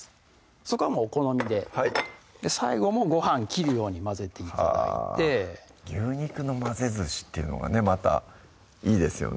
そこはもうお好みで最後もご飯切るように混ぜて頂いて「牛肉の混ぜずし」っていうのがねまたいいですよね